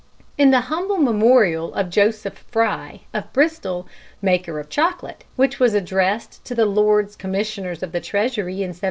In The Humble Memorial of Joseph Fry, of Bristol, Maker of Chocolate, which was addressed to the Lords Commissioners of the Treasury in 1776 (Messrs.